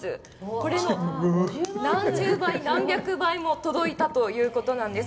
これの何十倍、何百倍も届いたということなんです。